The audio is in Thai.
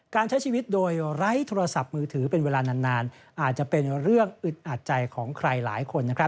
การใช้ชีวิตโดยไร้โทรศัพท์มือถือเป็นเวลานานอาจจะเป็นเรื่องอึดอัดใจของใครหลายคน